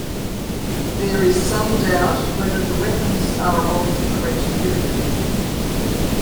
There is some doubt whether the weapons are of the correct period.